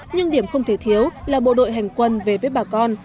nhưng điểm không thể thiếu là bộ đội hành quân về với bà con